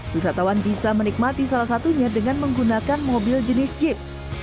wisatawan bisa menikmati salah satunya dengan menggunakan mobil jenis jeep